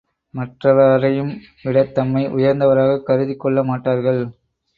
மற்றெவரையும் விடத் தம்மை உயர்ந்தவராகக் கருதிக் கொள்ளமாட்டார்கள்.